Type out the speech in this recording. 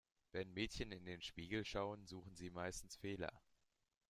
Wenn Mädchen in den Spiegel schauen, suchen sie meistens Fehler.